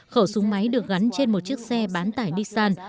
khẩu súng máy được gắn trên một chiếc xe bán tải nissan